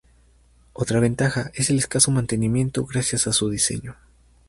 Otra ventaja es el escaso mantenimiento gracias a su diseño.